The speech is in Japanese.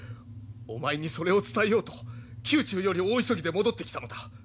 お前にそれを伝えようと宮中より大急ぎで戻ってきたのだ。